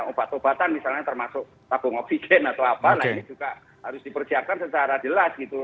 obat obatan misalnya termasuk tabung oksigen atau apa nah ini juga harus dipersiapkan secara jelas gitu